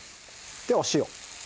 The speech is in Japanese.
でお塩。